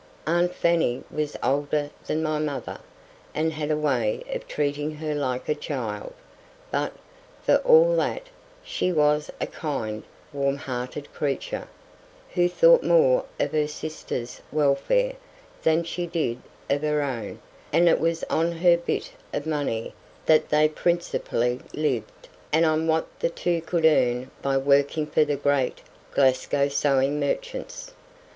Aunt Fanny was older than my mother, and had a way of treating her like a child; but, for all that, she was a kind, warm hearted creature, who thought more of her sister's welfare than she did of her own and it was on her bit of money that they principally lived, and on what the two could earn by working for the great Glasgow sewing merchants.